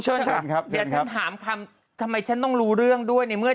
ฉันไม่ได้รู้เรื่องอะไรด้วย